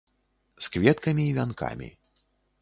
З кветкамі і вянкамі.